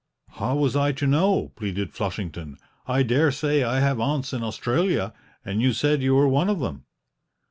"How was I to know?" pleaded Flushington. "I dare say I have aunts in Australia, and you said you were one of them."